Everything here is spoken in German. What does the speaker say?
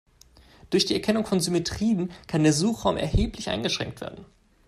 Durch die Erkennung von Symmetrien kann der Suchraum erheblich eingeschränkt werden.